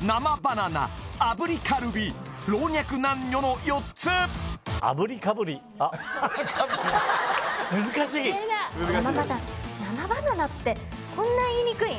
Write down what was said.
生バナナ炙りカルビ老若男女の４つ難しい生バナ生バナナってこんな言いにくいん？